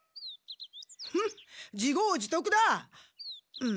フン自業自得だ！